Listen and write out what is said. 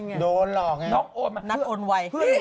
นักโอนไว